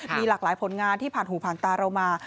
มีหลากหลายผลงานที่ผ่านหูผ่านตาเรามา